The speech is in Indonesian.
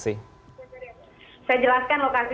saya jelaskan lokasi